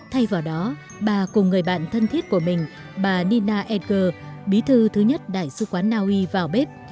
thay vào đó bà cùng người bạn thân thiết của mình bà nina edgar bí thư thứ nhất đại sứ quán na uy vào bếp